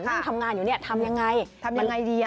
นั่งทำงานอยู่เนี่ยทำยังไงทำยังไงดี